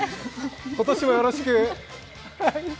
今年もよろしく。